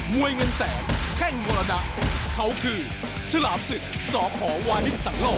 มวยเงินแสงแข้งมรดะเขาคือฉลามสึกสอบห่อวาฮิตสั่งรอด